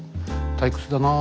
退屈だなあ。